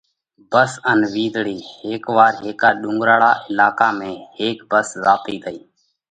ڀس ان وِيزۯئِي: هيڪ وار هيڪا ڏُونڳراۯا علاقا ۾ هيڪ ڀس زاتئِي تئِي۔